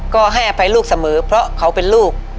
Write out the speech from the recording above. ก็ให้อภัยลูกเสมอเพราะเขาเป็นลูก